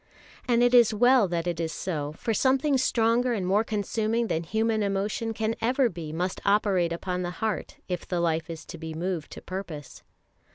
And it is well that it is so, for something stronger and more consuming than human emotion can ever be must operate upon the heart if the life is to be moved to purpose.